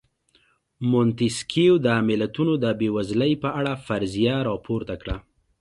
مونتیسکیو د ملتونو د بېوزلۍ په اړه فرضیه راپورته کړه.